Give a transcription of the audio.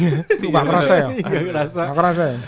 enggak kerasa ya